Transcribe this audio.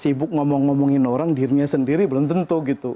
sibuk ngomong ngomongin orang dirinya sendiri belum tentu gitu